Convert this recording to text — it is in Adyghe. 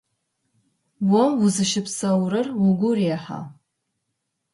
О узыщыпсэурэр угу рехьа?